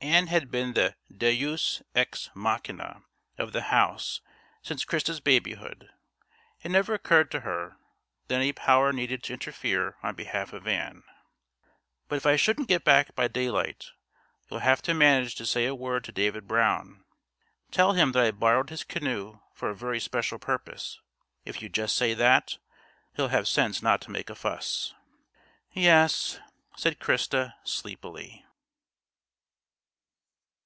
Ann had been the deus ex machina of the house since Christa's babyhood. It never occurred to her that any power needed to interfere on behalf of Ann. "But if I shouldn't get back by daylight, you'll have to manage to say a word to David Brown. Tell him that I borrowed his canoe for a very special purpose. If you just say that, he'll have sense not to make a fuss." "Yes," said Christa sleepily.